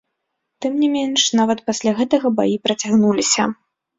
Тым не менш, нават пасля гэтага баі працягнуліся.